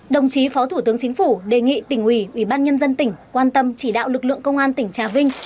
đồng chí phó thủ tướng chính phủ đề nghị tỉnh ủy ủy ban nhân dân tỉnh quan tâm chỉ đạo lực lượng công an tỉnh trà vinh